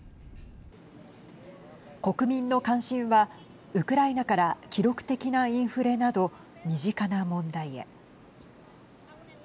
国民の関心はウクライナから記録的なインフレなど身近な問題へ。